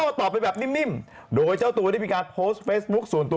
ก็ตอบไปแบบนิ่มโดยเจ้าตัวได้มีการโพสต์เฟซบุ๊คส่วนตัว